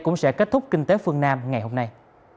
cũng sẽ kết thúc kinh tế phương nam ngày hôm nay